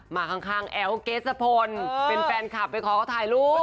มาข้างแอ๋วเกสพลเป็นแฟนคลับไปขอเขาถ่ายรูป